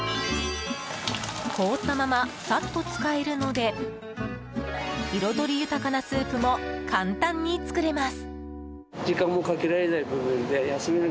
凍ったままサッと使えるので彩り豊かなスープも簡単に作れます。